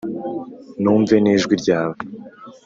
Numve n’ijwi ryawe